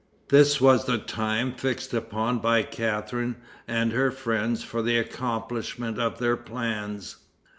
This was the time fixed upon by Catharine and her friends for the accomplishment of their plans.